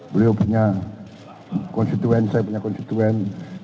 beliau punya konstituen saya punya konstituen